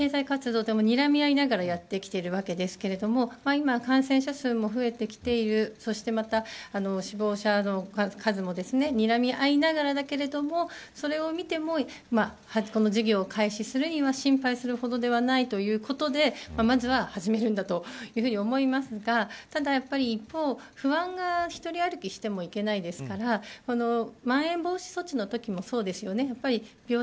ずっと感染者数と経済活動はにらみ合いながらやってきているわけですが今、感染者数も増えてきているそして、また死亡者の数もにらみ合いながらだけれどもそれを見てもこの事業を開始するには心配するほどではないということでまずは始めるんだと思いますがただ、一方で不安が１人歩きしてもいけないですからまん延防止措置のときもそうですよね。